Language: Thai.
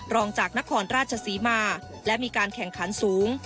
รองจากนครราชศรีมาและมีการแข่งขันสูง